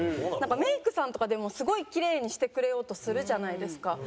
なんかメイクさんとかでもすごいキレイにしてくれようとするじゃないですか。